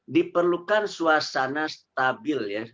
diperlukan suasana stabil